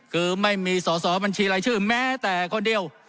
คือไม่มีสอสอบัญชีรายชื่อแม้แต่คนเดียว